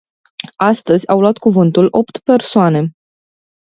Astăzi au luat cuvântul opt persoane.